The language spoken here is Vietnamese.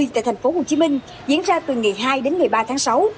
hai nghìn hai mươi tại tp hcm diễn ra từ ngày hai đến ngày ba tháng sáu